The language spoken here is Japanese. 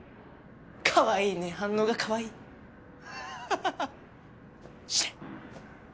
かわいいね反応がかわいいハハハ死ね！